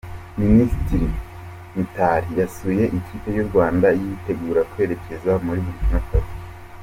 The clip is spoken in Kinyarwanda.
Minisitiri Mitali yasuye ikipe y’u Rwanda yitegura kwerekeza muri Burikina Faso